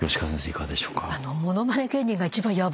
いかがでしょうか？